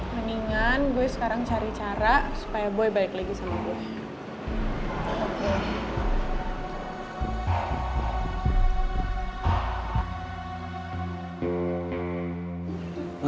mendingan gue sekarang cari cara supaya gue baik lagi sama gue